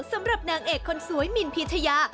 สำหรับนางเอกคนสวยหมินพีชยา